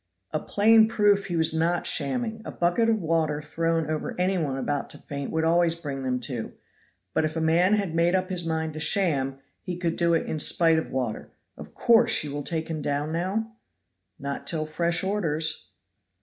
"A plain proof he was not shamming. A bucket of water thrown over any one about to faint would always bring them to; but if a man had made up his mind to sham, he could do it in spite of water. Of course you will take him down now?" "Not till fresh orders."